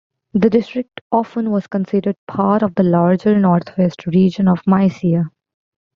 The district often was considered part of the larger northwest region of Mysia.